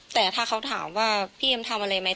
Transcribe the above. แต่ถ้าเขาถามว่าพี่เอ็มทำอะไรไหม